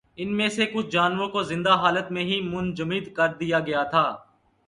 ان میں سے کچھ جانوروں کو زندہ حالت میں ہی منجمد کردیا گیا تھا۔